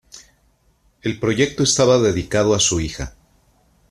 El proyecto estaba dedicado a su hija.